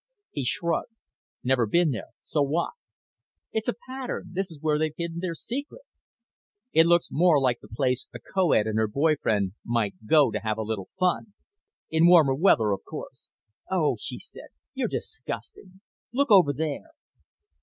He shrugged. "Never been there. So what?" "It's a pattern. This is where they've hidden their secret." "It looks more like the place a co ed and her boy friend might go to have a little fun. In warmer weather, of course." "Oh!" she said. "You're disgusting! Look over there."